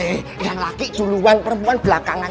yang laki duluan perempuan belakangan